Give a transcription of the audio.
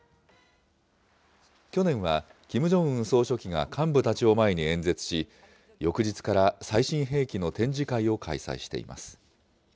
去年はキム・ジョンウン総書記が幹部たちを前に演説し、翌日から最新兵器の展示会を開催しています。